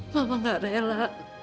mama gak rela